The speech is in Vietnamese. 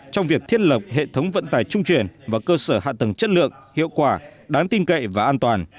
trong việc thiết lập hệ thống vận tải trung truyền và cơ sở hạ tầng chất lượng hiệu quả đáng tin cậy và an toàn